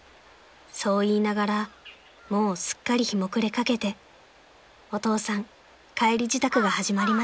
［そう言いながらもうすっかり日も暮れかけてお父さん帰り支度が始まりました］